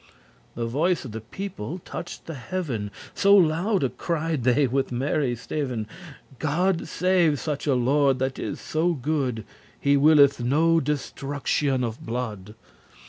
The voice of the people touched the heaven, So loude cried they with merry steven*: *sound God save such a lord that is so good, He willeth no destruction of blood.